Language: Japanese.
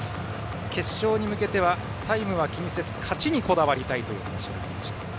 決勝に向けてはタイムは気にせず勝ちにこだわりたいという話がありました。